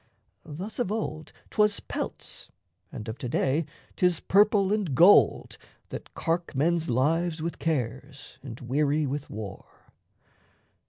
Thus of old 'Twas pelts, and of to day 'tis purple and gold That cark men's lives with cares and weary with war.